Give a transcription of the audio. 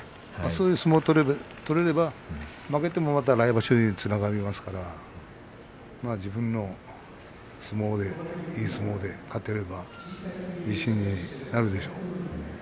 そういう相撲を取れれば負けてもまた来場所につながりますから自分のいい相撲で勝てれば自信になるでしょう。